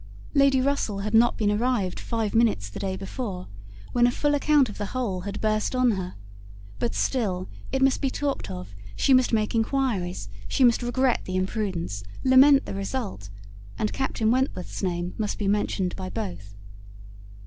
Lady Russell had not been arrived five minutes the day before, when a full account of the whole had burst on her; but still it must be talked of, she must make enquiries, she must regret the imprudence, lament the result, and Captain Wentworth's name must be mentioned by both.